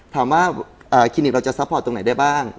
ถามว่าคลินิกเราจะซัพพอร์ตตรงไหนได้บ้าง